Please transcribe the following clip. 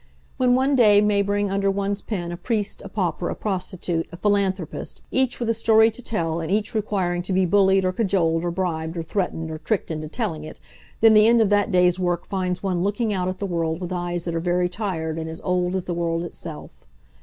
When one day may bring under one's pen a priest, a pauper, a prostitute, a philanthropist, each with a story to tell, and each requiring to be bullied, or cajoled, or bribed, or threatened, or tricked into telling it; then the end of that day's work finds one looking out at the world with eyes that are very tired and as old as the world itself.